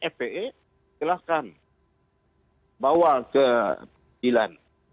fpe silahkan bawa ke pengadilan